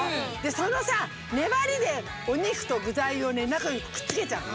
そのさねばりでお肉とぐざいをねなかにくっつけちゃうの。